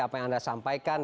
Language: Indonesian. apa yang anda sampaikan